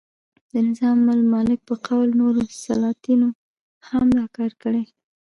د نظام الملک په قول نورو سلاطینو هم دا کار کړی.